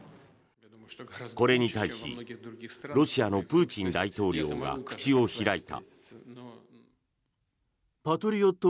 これに対しロシアのプーチン大統領が口を開いた。